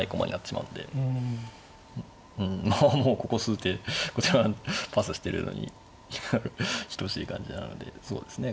もうここ数手こちらパスしてるのに等しい感じなのでそうですね